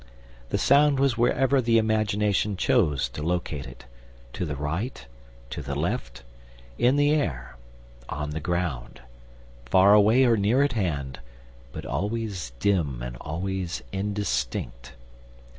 The sound was wherever the imagination chose to locate it to the right, to the left, in the air, on the ground, far away or near at hand, but always dim and always indistinct.